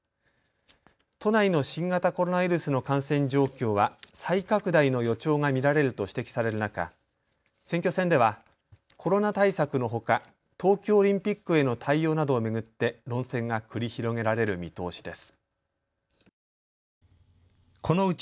都内の新型コロナウイルスの感染状況は再拡大の予兆が見られると指摘される中、選挙戦ではコロナ対策のほか東京オリンピックへの対応などを巡って論戦が繰り広げられる見通しです。